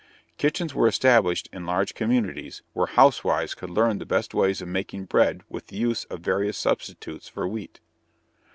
Kitchens were established in large communities where housewives could learn the best ways of making bread with the use of various substitutes for wheat.